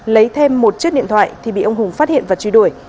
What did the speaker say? lấy thêm một chiếc điện thoại thì bị ông hùng phát hiện và truy đuổi